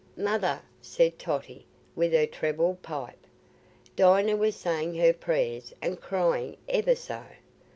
"Mother," said Totty, with her treble pipe, "Dinah was saying her prayers and crying ever so."